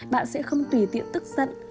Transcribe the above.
bạn sẽ không tùy tiện tức giận